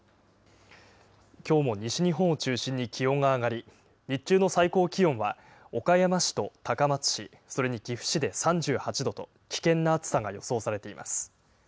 きょうも西日本を中心に気温が上がり、日中の最高気温は、岡山市と高松市、それに岐阜市で３８度と、危険な暑さが予想されています。